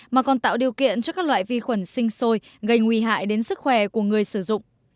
mà còn tạo điều kiện cho các loại vi khuẩn sinh sôi gây nguy hại đến sức khỏe của người sử dụng